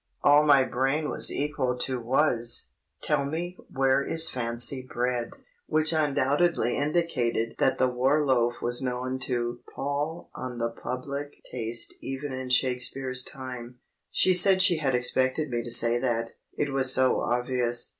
All my brain was equal to was— "Tell me, where is fancy bred?" which undoubtedly indicated that the War Loaf was known to pall on the public taste even in Shakespeare's time. She said she had expected me to say that, it was so obvious.